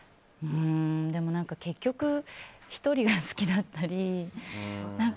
でも、結局１人が好きだったり。